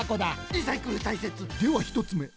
リサイクルたいせつ！ではひとつめ！